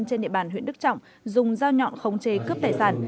trên địa bàn huyện đức trọng dùng dao nhọn khống chế cướp tài sản